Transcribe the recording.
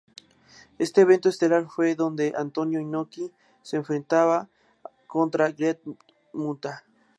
Este evento estelar fue donde Antonio Inoki se enfrentaba contra The Great Muta.